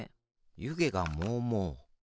ゆげがもうもう。